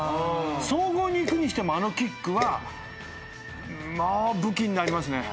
総合に行くにしてもあのキックは武器になりますね。